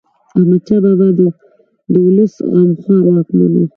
احمد شاه بابا د ولس غمخوار واکمن و.